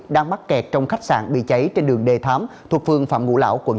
đang mắc kẹt trong khách sạn bị cháy trên đường đề thám thuộc phương phạm ngũ lão quận tám